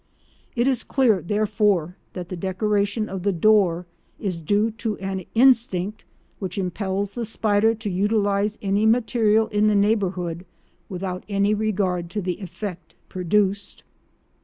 It is clear, therefore, that the decoration of the door is due to an instinct which impels the spider to utilise any material of the neighbourhood without any regard to the effect produced.